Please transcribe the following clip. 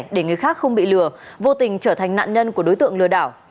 để người khác không bị lừa vô tình trở thành nạn nhân của đối tượng lừa đảo